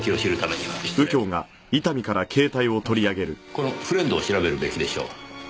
このフレンドを調べるべきでしょう。